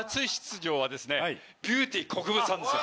ビューティーこくぶさんですよ。